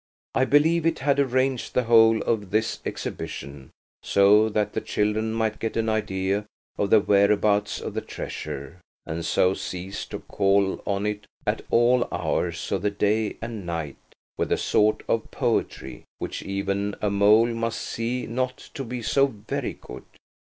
I believe it had arranged the whole of this exhibition so that the children might get an idea of the whereabouts of the treasure, and so cease to call on it at all hours of the day and night with the sort of poetry which even a mole must see not to be so very good.